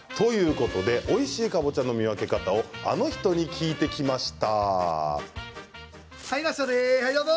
おいしいかぼちゃの見分け方をあの人に聞いてきました。